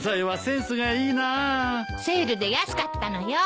セールで安かったのよ。